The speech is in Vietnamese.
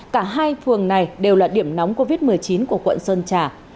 cả hai phường này đều là điểm nóng covid một mươi chín của quận sơn trà